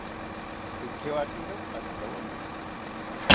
Pikiwakiro pashikawontzi